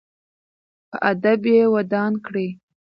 په ادب یې ودان کړئ.